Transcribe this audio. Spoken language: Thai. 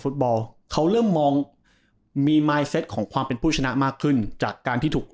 ฟุตบอลเขาเริ่มมองมีมายเซตของความเป็นผู้ชนะมากขึ้นจากการที่ถูก